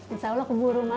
insya allah keburu mak